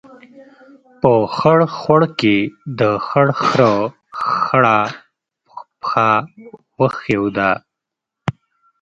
په خړ خوړ کې، د خړ خرهٔ خړه پښه وښیوده.